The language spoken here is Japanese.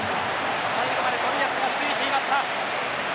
最後まで冨安がついていました。